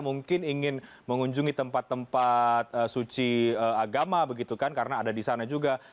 mungkin ingin mengunjungi tempat tempat suci agama begitu kan karena ada di sana juga